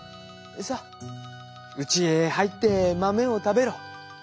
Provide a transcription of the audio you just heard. さあうちへはいってまめをたべろ。